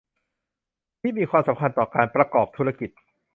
ที่มีความสำคัญต่อการประกอบธุรกิจ